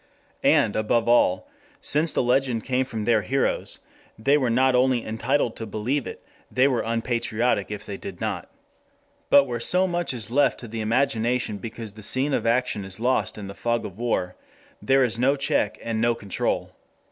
And, above all, since the legend came from their heroes, they were not only entitled to believe it, they were unpatriotic if they did not. But where so much is left to the imagination because the scene of action is lost in the fog of war, there is no check and no control.